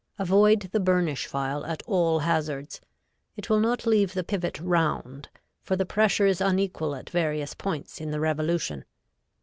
Avoid the burnish file at all hazards; it will not leave the pivot round, for the pressure is unequal at various points in the revolution.